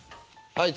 はい。